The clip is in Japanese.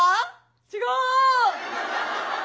違う。